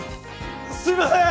すいません。